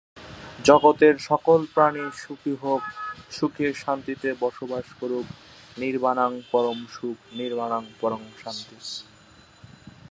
গাজী নাফিস আহমেদ খনির উষ্ণ তথ্য প্রদর্শনীতে অংশ নিয়েছিলেন।